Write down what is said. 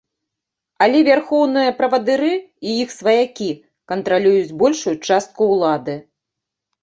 Але вярхоўныя правадыры і іх сваякі кантралююць большую частку ўлады.